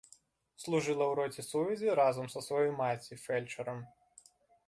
Служыла ў роце сувязі разам са сваёй маці, фельчарам.